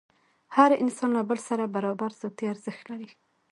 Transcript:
هر انسان له بل سره برابر ذاتي ارزښت لري.